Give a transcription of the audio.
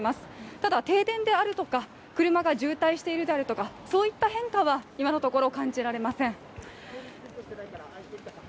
ただ、停電であるとか車が渋滞しているであるとかそういった変化は今のところ、感じられません。